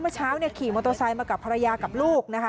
เมื่อเช้าขี่มอเตอร์ไซด์มากับภรรยากับลูก